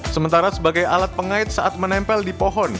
sementara sebagai alat pengait saat menempel di pohon